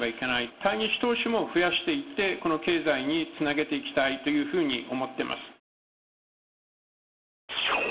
対日投資も増やしていって、この経済につなげていきたいというふうに思っています。